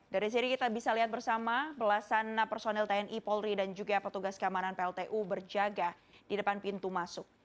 dari sini kita bisa lihat bersama belasan personil tni polri dan juga petugas keamanan pltu berjaga di depan pintu masuk